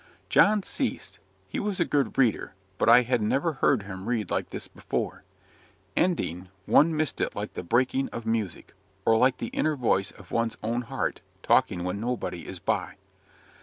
'" John ceased. He was a good reader but I had never heard him read like this before. Ending, one missed it like the breaking of music, or like the inner voice of one's own heart talking when nobody is by.